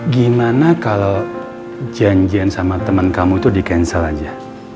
gimana kalau janjian sama temen kamu itu di cancel aja